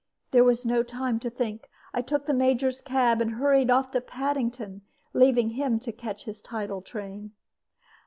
There was no time to think. I took the Major's cab, and hurried off to Paddington, leaving him to catch his tidal train.